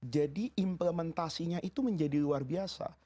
jadi implementasinya itu menjadi luar biasa